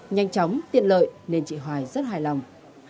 nhanh chóng tiện lợi nên chị hoài rất hài lòng